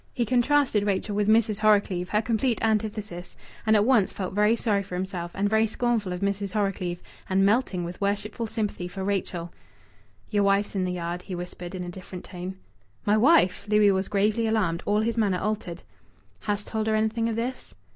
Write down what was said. He contrasted Rachel with Mrs. Horrocleave, her complete antithesis, and at once felt very sorry for himself and very scornful of Mrs. Horrocleave, and melting with worshipful sympathy for Rachel. "Yer wife's in the yard," he whispered in a different tone. "My wife!" Louis was gravely alarmed; all his manner altered. "Hast told her anything of this?"